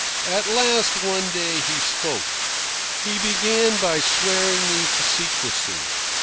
At last, one day, he spoke. He began by swearing me to secrecy.